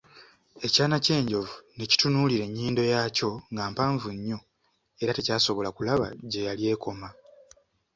Ekyana ky'enjovu ne kitunulira ennyindo yaakyo nga mpanvu nnyo, era tekyasobola kulaba gye yali ekoma.